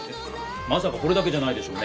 まさかこれだけじゃないでしょうね。